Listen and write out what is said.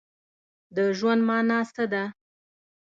د ژوند مانا څه ده؟